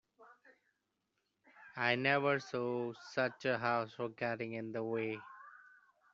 I never saw such a house for getting in the way!